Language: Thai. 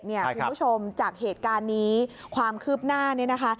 คุณผู้ชมจากเหตุการณ์นี้ความคืบหน้าเนี่ยนะคะ